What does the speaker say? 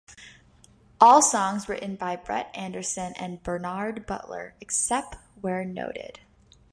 All songs written by Brett Anderson and Bernard Butler except where noted.